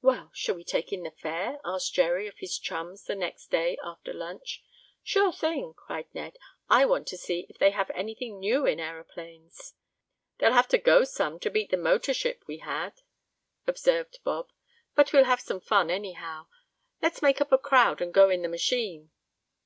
"Well, shall we take in the fair?" asked Jerry of his chums the next day after lunch. "Sure thing!" cried Ned. "I want to see if they have anything new in aeroplanes." "They'll have to go some to beat the motor ship we had," observed Bob. "But we'll have some fun, anyhow. Let's make up a crowd and go in the machine."